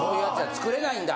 作れないんだ。